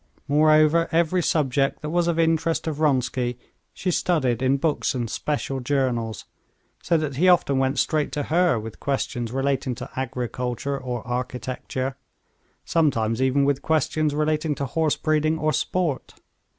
Moreover, every subject that was of interest to Vronsky, she studied in books and special journals, so that he often went straight to her with questions relating to agriculture or architecture, sometimes even with questions relating to horse breeding or sport.